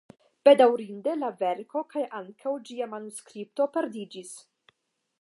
Bedaŭrinde la verko kaj ankaŭ ĝia manuskripto perdiĝis.